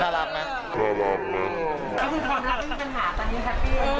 แล้วความรักมันมีปัญหาตอนนี้ครับเตียง